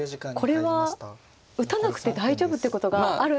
これは打たなくて大丈夫ってことがあるんだなと。